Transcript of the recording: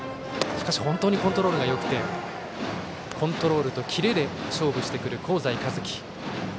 しかし、本当にコントロールがよくてコントロールとキレで勝負してくる、香西一希。